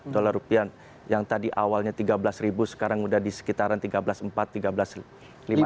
dolar rupiah yang tadi awalnya tiga belas ribu sekarang sudah di sekitaran tiga belas empat tiga belas lima ratus